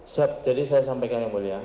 siap jadi saya sampaikan yang mulia